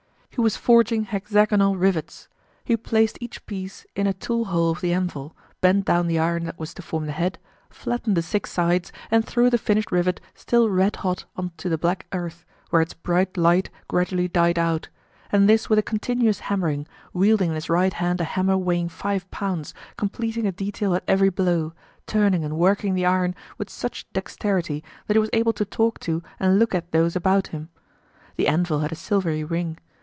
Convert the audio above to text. He was forging hexagonal rivets. He placed each piece in a tool hole of the anvil, bent down the iron that was to form the head, flattened the six sides and threw the finished rivet still red hot on to the black earth, where its bright light gradually died out; and this with a continuous hammering, wielding in his right hand a hammer weighing five pounds, completing a detail at every blow, turning and working the iron with such dexterity that he was able to talk to and look at those about him. The anvil had a silvery ring.